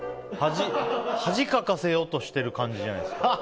恥かかせようとしてる感じじゃないですか？